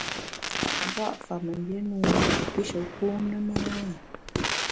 Mbua’ fa mengbié ne wu wu pishe kun ne ma ?